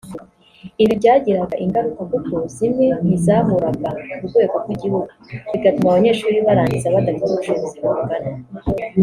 Ibi byagiraga ingaruka kuko zimwe ntizahuraga ku rwego rw’igihugu bigatuma abanyeshuri barangiza badafite ubushobozi bungana